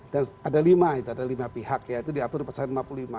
dan ada lima pihak itu diatur di pasal yang lima puluh lima